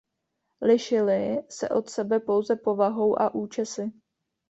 Lišily se od sebe pouze povahou a účesy.